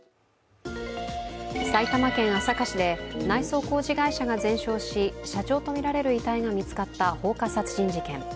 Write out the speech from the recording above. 埼玉県朝霞市で内装工事会社が全焼し、社長とみられる遺体が見つかった放火殺人事件。